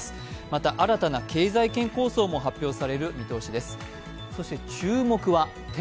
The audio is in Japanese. また、新たな経済圏構想も発表される見通しです。